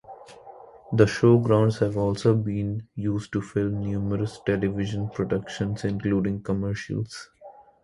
The showgrounds have also been used to film numerous television productions including commercials.